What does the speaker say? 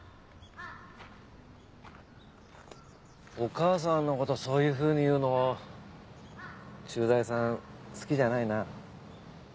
お母さんのことをそういうふうに言うの駐在さん好きじゃないな。